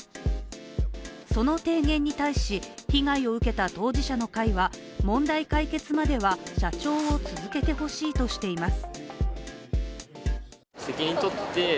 その提言に対し、被害を受けた当事者の会は問題解決までは社長を続けてほしいとしています。